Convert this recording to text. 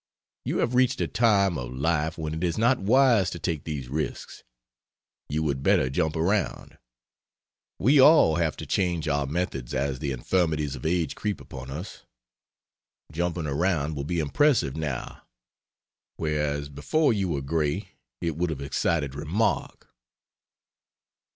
You have reached a time of life when it is not wise to take these risks. You would better jump around. We all have to change our methods as the infirmities of age creep upon us. Jumping around will be impressive now, whereas before you were gray it would have excited remark.